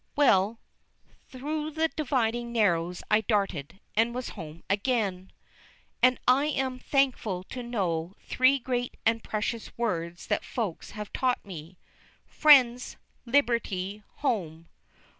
Well, through the dividing narrows I darted, and was home again! And I am thankful to know three great and precious words that Folks have taught me: Friends! Liberty! Home!